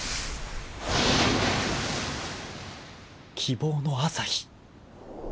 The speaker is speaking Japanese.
［希望の朝日］